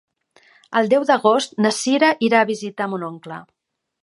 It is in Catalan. El deu d'agost na Sira irà a visitar mon oncle.